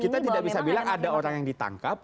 kita tidak bisa bilang ada orang yang ditangkap